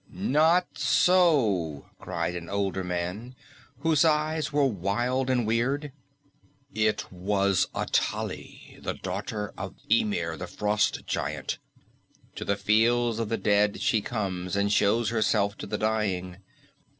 "Not so!" cried an older man, whose eyes were wild and weird. "It was Atali, the daughter of Ymir, the frost giant! To fields of the dead she comes, and shows herself to the dying!